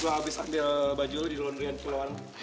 gue habis ambil baju lu di londrian kiloan